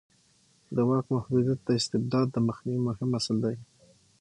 د واک محدودیت د استبداد د مخنیوي مهم اصل دی